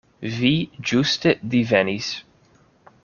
Vi ĝuste divenis.